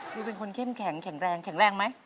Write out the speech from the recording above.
มีคนเค็มแข็งแข็งแรงแข็งแรงไหม